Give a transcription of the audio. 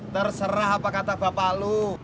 terserah apa kata bapak lu